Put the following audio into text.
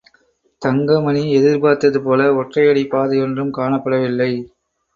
தங்கமணி எதிர்பார்த்தது போல ஒற்றையடிப் பாதையொன்றும் காணப்படவில்லை.